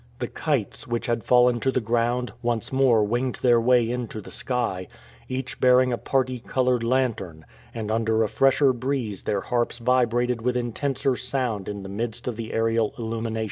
The kites, which had fallen to the ground, once more winged their way into the sky, each bearing a parti colored lantern, and under a fresher breeze their harps vibrated with intenser sound in the midst of the aerial illumination.